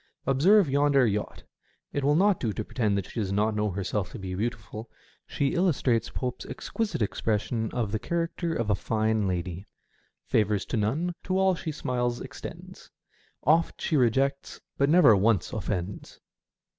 Observe yonder yacht. It will not do to pretend that she does not know herself to be beautiful. She illustrates Pope's exquisite expression of the character of a fine lady :—•* Favours to none, to aU she smiles extends ; Oft she rejects, but never once offends."